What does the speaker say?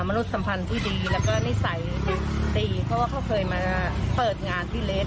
นุษยสัมพันธ์ที่ดีแล้วก็นิสัยดีเพราะว่าเขาเคยมาเปิดงานที่เลส